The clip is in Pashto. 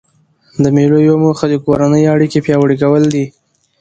د مېلو یوه موخه د کورنۍ اړیکي پیاوړي کول دي.